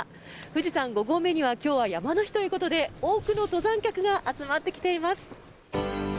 富士山五合目には今日は山の日ということで多くの登山客が集まってきています。